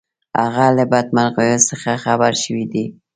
هغه له بدمرغیو څخه خبر شوی دی.